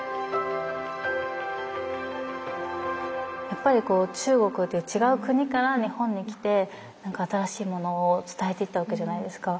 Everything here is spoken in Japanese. やっぱり中国っていう違う国から日本に来て何か新しいものを伝えていったわけじゃないですか。